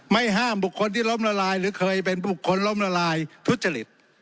ห้ามบุคคลที่ล้มละลายหรือเคยเป็นบุคคลล้มละลายทุจริต